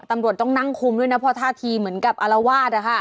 ตำรวจต้องนั่งคุมด้วยนะเพราะท่าทีเหมือนกับอารวาส